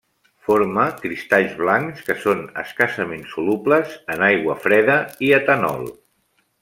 Forma cristalls blancs, que són escassament solubles en aigua freda i etanol.